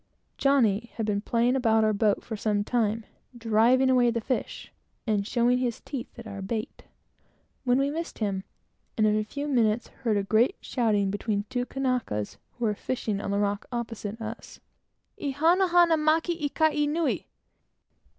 "Johnny" had been playing about our boat for some time, driving away the fish, and showing his teeth at our bait, when we missed him, and in a few moments heard a great shouting between two Kanakas who were fishing on the rock opposite to us: "E hana hana make i ka ia nui!"